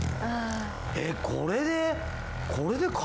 えっこれで。